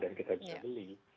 dan kita bisa beli